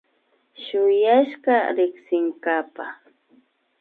Shuyashka riksinkapa